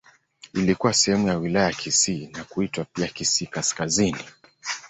Ilikuwa sehemu ya Wilaya ya Kisii na kuitwa pia Kisii Kaskazini.